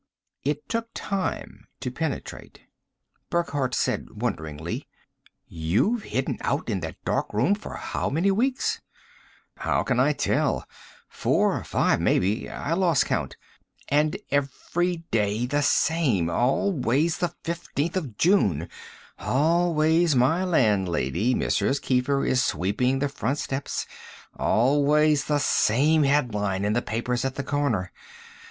It took time to penetrate. Burckhardt said wonderingly, "You've hidden out in that darkroom for how many weeks?" "How can I tell? Four or five, maybe. I lost count. And every day the same always the 15th of June, always my landlady, Mrs. Keefer, is sweeping the front steps, always the same headline in the papers at the corner.